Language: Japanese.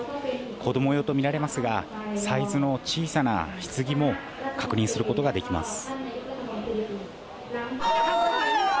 子ども用と見られますが、サイズの小さなひつぎも確認することができます。